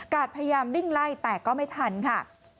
พยายามวิ่งไล่แต่ก็ไม่ทันค่ะ